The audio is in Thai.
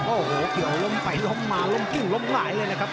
โอ้โหเกี่ยวล้มไปล้มมาล้มกิ้งล้มหลายเลยนะครับ